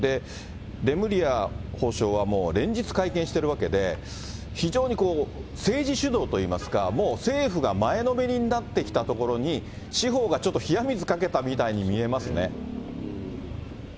レムリヤ法相は連日会見している、非常にこう、政治主導といいますか、もう政府が前のめりになってきたところに、司法がちょっと冷や水かけたみたいに見えますね。